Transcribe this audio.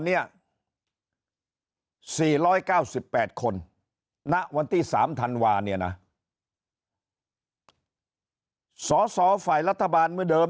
๔๙๘คนณวันที่๓ธันวาเนี่ยนะสอสอฝ่ายรัฐบาลเมื่อเดิม